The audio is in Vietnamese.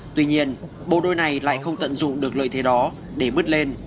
tuy nhiên bộ đôi này lại không tận dụng được lợi thế đó để bước lên